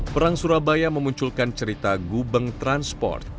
perang surabaya memunculkan cerita gubeng transport